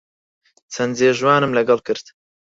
چەند جێژوانم لەگەڵ کرد